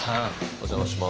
お邪魔します。